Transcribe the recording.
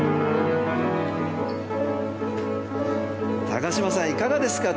高島さん、いかがですか？